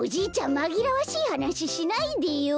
まぎらわしいはなししないでよ。